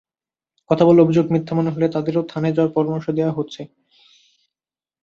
কথা বলে অভিযোগ মিথ্যা মনে হলে তাদেরও থানায় যাওয়ার পরামর্শ দেওয়া হচ্ছে।